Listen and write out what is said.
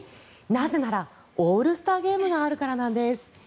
なぜならオールスターゲームがあるからなんです。